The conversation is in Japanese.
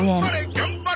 頑張れ！